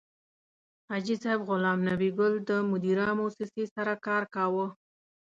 حاجي صیب غلام نبي ګل د مدیرا موسسې سره کار کاوه.